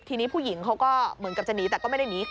ทีนี้ผู้หญิงเขาก็เหมือนกับจะหนีแต่ก็ไม่ได้หนี